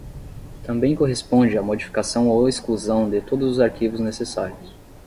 Também corresponde à modificação ou exclusão de todos os arquivos necessários.